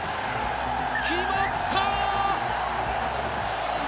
決まった！